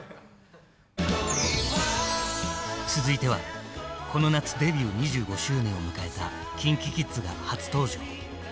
続いてはこの夏デビュー２５周年を迎えたＫｉｎＫｉＫｉｄｓが初登場。